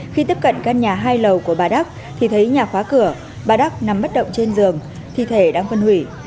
khi tiếp cận căn nhà hai lầu của bà đắc thì thấy nhà khóa cửa bà đắc nằm bất động trên giường thi thể đang phân hủy